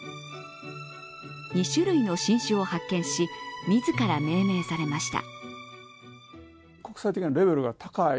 ２種類の新種を発見し、自ら命名されました。